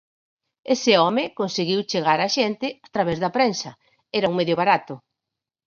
Ese home conseguiu chegar á xente a través da prensa, era un medio barato.